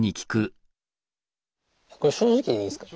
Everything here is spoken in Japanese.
これ正直でいいですか？